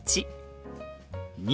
「２」。